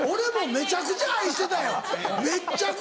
めっちゃくちゃ愛してたよ！